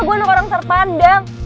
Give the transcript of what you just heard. gue anak orang terpandang